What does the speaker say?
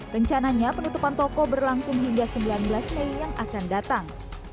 rencananya penutupan toko berlangsung hingga sembilan belas mei yang akan datang